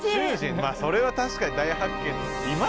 まあそれは確かに大発見いますか？